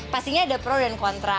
pastinya ada pro dan kontra